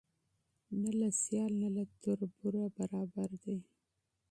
نه له سیال نه له تربوره برابر دی